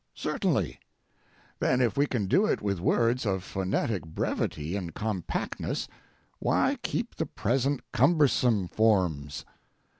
Certainly. Then if we can do it with words of fonetic brevity and compactness, why keep the present cumbersome forms?